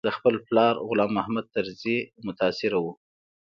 له خپل پلار غلام محمد طرزي متاثره و.